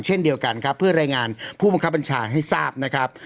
เช่นเดียวกันครับเพื่อรายงานผู้บังคับบัญชาให้ทราบนะครับ